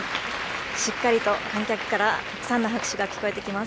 しっかりと観客からたくさんの拍手が聞こえてきます。